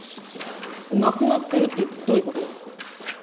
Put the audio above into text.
なくなってるってどういうこと！？